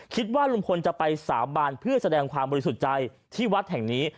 คิดว่าลุงพลจะไปสาบานเพื่อแสดงความบริสุทธิ์ใจที่วัดแห่งนี้